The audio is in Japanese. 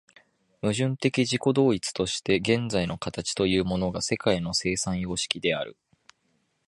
矛盾的自己同一として現在の形というものが世界の生産様式である。